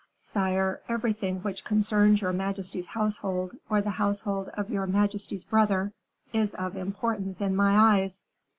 "Sire, everything which concerns your majesty's household, or the household of your majesty's brother, is of importance in my eyes."